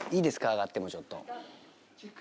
上がってもちょっと。